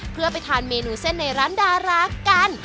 เพื่อไปทานเมนูเส้นในร้านดารากัน